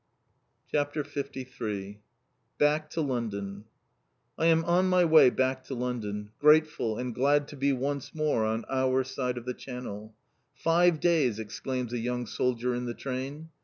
_" CHAPTER LIII BACK TO LONDON I am on my way back to London, grateful and glad to be once more on our side of the Channel. "Five days!" exclaims a young soldier in the train.